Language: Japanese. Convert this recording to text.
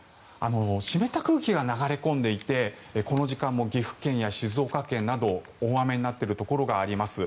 湿った空気が流れ込んでいてこの時間も岐阜県や静岡県など大雨になっているところがあります。